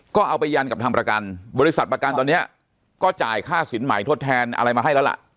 ก็เอาไปยันกับทางประกันบริษัทประกันตอนนี้ก็จ่ายค่าสินใหม่ทดแทนอะไรมาให้แล้วล่ะ